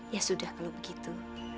ya sudah kalau begitu